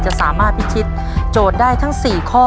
สามารถพิชิตโจทย์ได้ทั้ง๔ข้อ